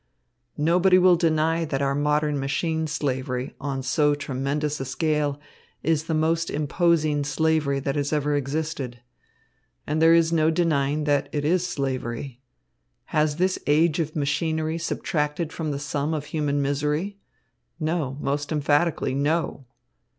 Nobody will deny that our modern machine slavery, on so tremendous a scale, is the most imposing slavery that has ever existed. And there is no denying that it is slavery. Has this age of machinery subtracted from the sum of human misery? No, most emphatically, no!